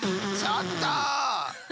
ちょっと！